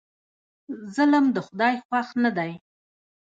ظلم د خدای خوښ نه دی.